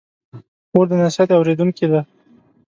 خور د نصیحت اورېدونکې ده.